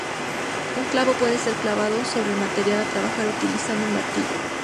Un clavo puede ser "clavado" sobre el material a trabajar utilizando un martillo.